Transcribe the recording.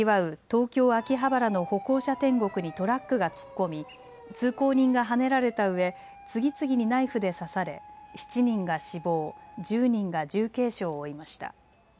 東京秋葉原の歩行者天国にトラックが突っ込み通行人がはねられたうえ次々にナイフで刺され７人が死亡、１０人が重軽傷を負いました。